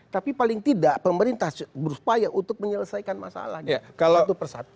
tapi paling tidak pemerintah berupaya untuk menyelesaikan masalahnya satu persatu